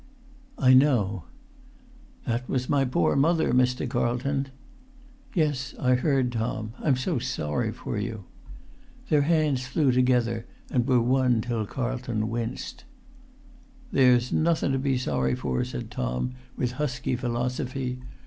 "I know." "That was my poor mother, Mr. Carlton." "Yes, I heard. Tom, I'm so sorry for you!" Their hands flew together, and were one till Carlton winced. "There's nothun to be sorry for," said Tom, with husky philosophy.